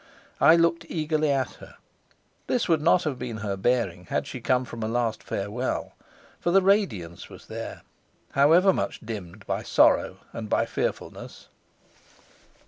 I looked eagerly at her; this would not have been her bearing had she come from a last farewell; for the radiance was there, however much dimmed by sorrow and by fearfulness.